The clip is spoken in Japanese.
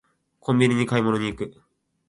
コンビニに買い物に行く